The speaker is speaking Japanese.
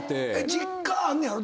実家あんねやろ？